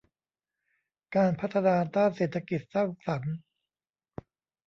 การพัฒนาด้านเศรษฐกิจสร้างสรรค์